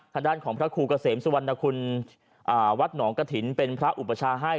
ทางด้านของพระครูเกษมสุวรรณคุณวัดหนองกระถิ่นเป็นพระอุปชาให้